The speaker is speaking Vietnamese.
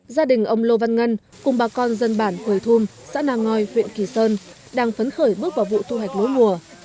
gia đình ông lô văn ngân cùng bà con dân bản hùi thum xã nang ngòi huyện kỳ sơn đang phấn khởi bước vào vụ thu hạch lúa mùa